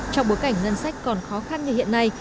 trong bối cảnh ngân sách còn khó khăn như hiện nay